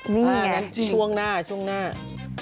นี่ไงช่วงหน้าจริงจริง